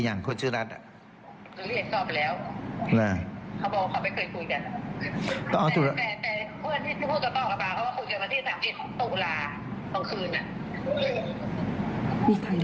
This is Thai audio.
ยังคนชื่อรัฐอ่ะเขาเรียกสอบไปแล้วแล้วเขาบอกว่าเขาไม่เคย